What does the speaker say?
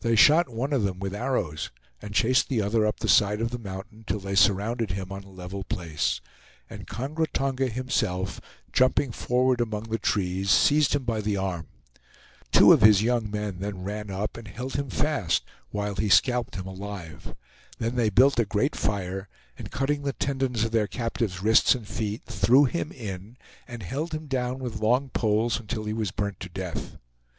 They shot one of them with arrows and chased the other up the side of the mountain till they surrounded him on a level place, and Kongra Tonga himself, jumping forward among the trees, seized him by the arm. Two of his young men then ran up and held him fast while he scalped him alive. Then they built a great fire, and cutting the tendons of their captive's wrists and feet, threw him in, and held him down with long poles until he was burnt to death.